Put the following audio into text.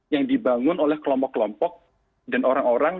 yang dibangun oleh kelompok kelompok dan orang orang